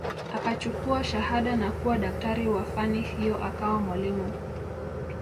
Akachukua shahada na kuwa daktari wa fani hiyo akawa mwalimu